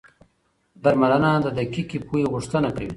درملنه د دقیقې پوهي غوښتنه کوي.